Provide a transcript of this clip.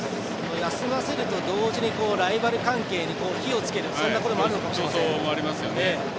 休ませると同時にライバル関係に火をつけるそんなこともあるのかもしれません。